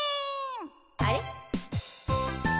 あれ？